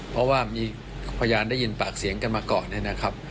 เพราะว่ามีพยานได้ยินปากเสียงกันมาก่อนเนี่ยนะครับ